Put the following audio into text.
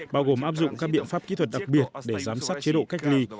bao gồm áp dụng các biện pháp kỹ thuật đặc biệt để giám sát chế độ cách ly